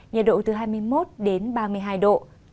nhiệt độ từ hai mươi một đến ba mươi hai độ